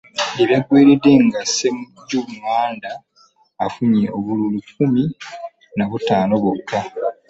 Gye byaggweeredde nga Ssemujju ŋŋanda afunye obululu kkumi na butaano bwokka